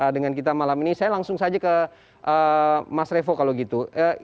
dengan kita malam ini saya langsung saja ke mas revo kalau gitu